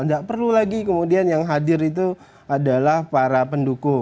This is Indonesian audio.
tidak perlu lagi kemudian yang hadir itu adalah para pendukung